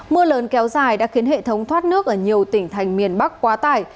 mưa lớn kéo dài đã khiến hệ thống thoát nước ở nhiều tỉnh thành miền bắc quá tải